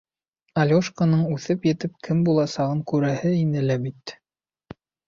Алёшканың үҫеп етеп кем буласағын күрәһе ине лә бит...